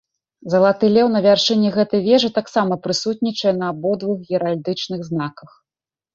Залаты леў на вяршыні гэтай вежы таксама прысутнічае на абодвух геральдычных знаках.